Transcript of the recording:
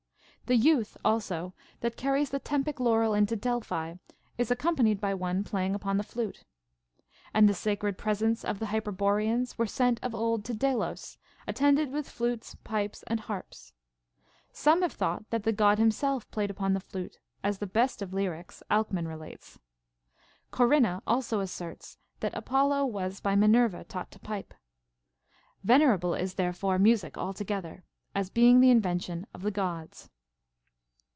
The youth also that carries the Tempic laurel into Delphi is accom panied by one playing upon the flute. And the sacred presents of the Hyperboreans were sent of old to Delos, attended Avith flutes, pipes, and harps. Some have thought that the God himself played upon the flute, as the best of 114 CONCERNING MUSIC. lyrics, Alcman, relates. Corinna also asserts that Apollo was by Minerva taught to pipe. Venerable is therefore music altogether, as being the invention of the Gods.